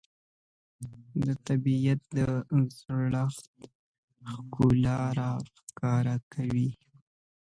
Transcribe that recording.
د طبیعت د زړښت ښکلا راښکاره وي